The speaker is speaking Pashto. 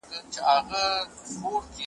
ته به هم بچو ته کیسې وکړې د ځوانۍ `